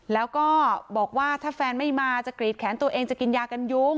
แล้วก็บอกว่าถ้าแฟนไม่มาจะกรีดแขนตัวเองจะกินยากันยุง